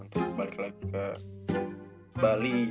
untuk balik lagi ke bali